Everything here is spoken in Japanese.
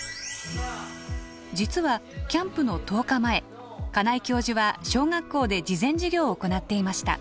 実はキャンプの１０日前金井教授は小学校で事前授業を行っていました。